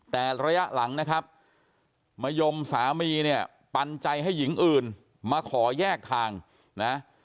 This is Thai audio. แต่ระยะหลังนะครับมะยมสามีเนี่ยปันใจให้หญิงอื่นมาขอแยกทางนะ